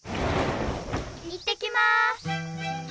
いってきます。